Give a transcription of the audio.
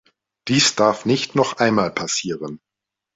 Dies darf nicht noch einmal passieren.